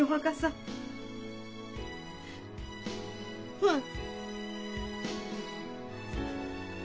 うん！